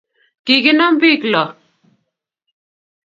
kikinam pik loo